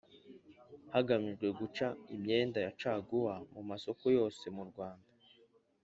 hagamijwe guca imyenda ya caguwa mu masoko yose mu rwanda